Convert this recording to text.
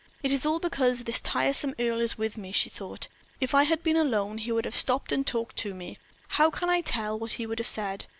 "It is all because this tiresome Earle is with me," she thought. "If I had been alone he would have stopped and have talked to me. How can I tell what he would have said?